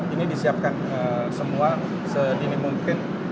ini disiapkan semua sedini mungkin